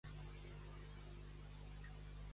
Dissabte hi ha macarrons amb bacó?